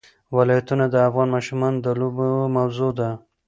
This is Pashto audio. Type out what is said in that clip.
ولایتونه د افغان ماشومانو د لوبو موضوع ده.